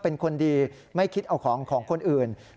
เป็นคนดีไม่คิดเอาของของคนอื่น